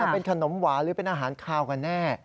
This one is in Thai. เป็นขนมหวานหรือเป็นอาหารคาวกันแน่